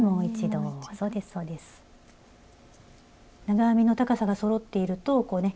長編みの高さがそろっているとこうね